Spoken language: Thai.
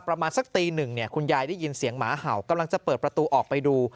ประมาณสักตีหนึ่งเนี่ยคุณยายได้ยินเสียงหมาเห่ากำลังจะเปิดประตูออกไปดู